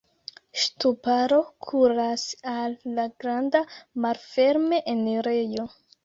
Ŝtuparo kuras al la granda malferme enirejo.